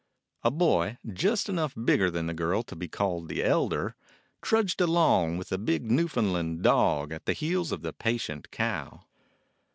A boy, just enough bigger than the girl to be called the elder, trudged along with a big Newfoundland dog at the heels of the patient cow.